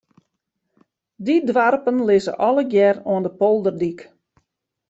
Dy doarpen lizze allegear oan de polderdyk.